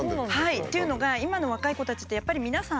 っていうのが今の若い子たちってやっぱり皆さん